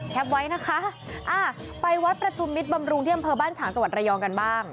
แคปไว้นะคะไปวัดประชุมมิตรบำรุงเที่ยมเพอบ้านฉากสวรรค์ระยองกันบ้าง